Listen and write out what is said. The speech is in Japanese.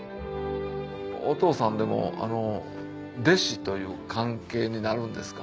お父さんでも弟子という関係になるんですか？